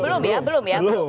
belum ya belum ya